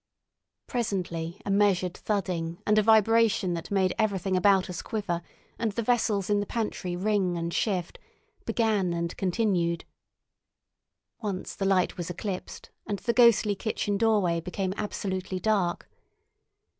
Presently a measured thudding and a vibration that made everything about us quiver and the vessels in the pantry ring and shift, began and continued. Once the light was eclipsed, and the ghostly kitchen doorway became absolutely dark.